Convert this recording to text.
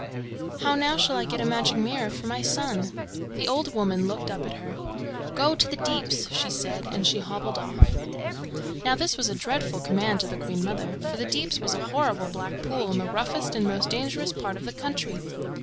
How now shall I get a magic mirror for my son?" The old woman looked up at her. "Go to the Deeps," she said, and she hobbled off. Now this was a dreadful command to the Queen mother, for the Deeps was a horrible black pool in the roughest and most dangerous part of the country.